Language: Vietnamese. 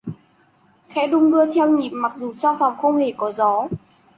Khẽ đung đưa theo nhịp mặc dù trong phòng không hề có gió